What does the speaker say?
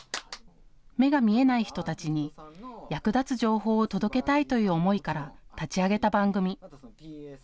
目が見えない人たちに役立つ情報を届けたいという思いから立ち上げた番組。